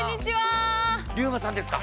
竜馬さんですか？